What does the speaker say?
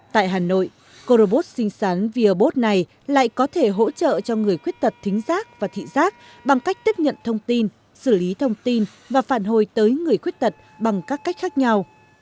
tại hà nội co robot xinh xắn virbot này lại có thể hỗ trợ cho người khuyết tật thính giác và thị giác bằng cách tiếp nhận thông tin xử lý thông tin và phản hồi tới người khuyết tật bằng các cách khác nhau